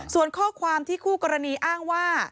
ส่วนข้อความที่คู่กรณีอ้างว่า